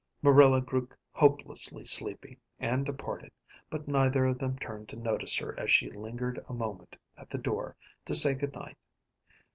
Marilla grew hopelessly sleepy, and departed, but neither of them turned to notice her as she lingered a moment at the door to say good night.